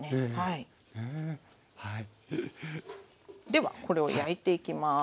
ではこれを焼いていきます。